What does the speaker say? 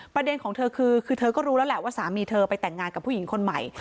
ประเด็นของเธอคือเธอก็รู้แล้วแหละว่าสามีเธอไปแต่งงานกับผู้หญิงคนใหม่